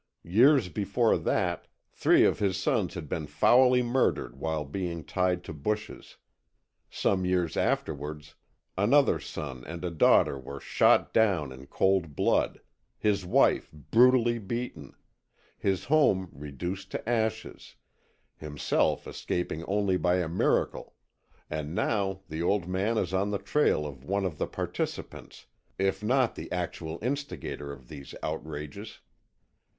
Years before that, three of his sons had been foully murdered while being tied to bushes; some years afterwards another son and a daughter were shot down in cold blood, his wife brutally beaten, his home reduced to ashes, himself escaping only by a miracle, and now the old man is on the trail of one of the participants, if not the actual instigator of these outrages.